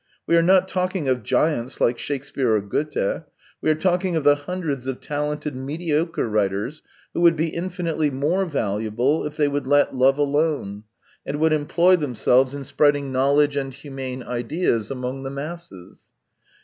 " We are not talking of giants like Shakespeare or Goethe; we are talking of the hundreds of talented mediocre writers, who would be infinitely more valuable if they would let love alone, and would employ themselves in spreading knowledge and humane ideas among the masses."